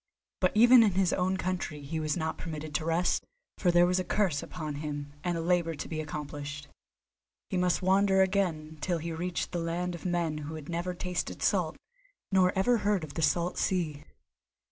But even in his own country he was not permitted to rest, for there was a curse upon him and a labour to be accomplished. He must wander again till he reached the land of men who had never tasted salt, nor ever heard of the salt sea.